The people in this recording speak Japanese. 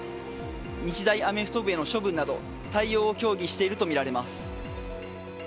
日大アメフト部への処分など対応を協議しているとみられます。